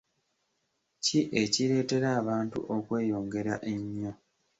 Ki ekireetera abantu okweyongera ennyo?